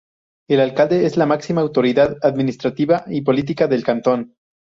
El Alcalde es la máxima autoridad administrativa y política del Cantón.